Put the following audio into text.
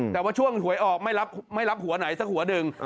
แต่ว่าช่วงหวยออกไม่รับหัวไหนสักหัวหนึ่ง